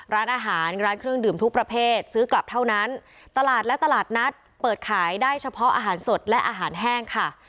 ร้านอาหารร้านเครื่องดื่มทุกประเภทซื้อกลับเท่านั้นตลาดและตลาดนัดเปิดขายได้เฉพาะอาหารสดและอาหารแห้งค่ะ